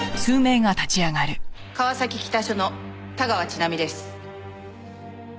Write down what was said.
川崎北署の田川千波です。